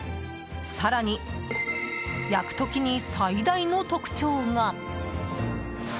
更に、焼く時に最大の特徴が。